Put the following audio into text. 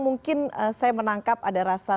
mungkin saya menangkap ada rasa